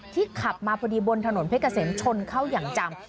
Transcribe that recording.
ขับมาพอดีบนถนนเพชรเกษมชนเข้าอย่างจัง